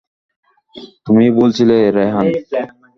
তুমি ভুল ছিলে রেহান।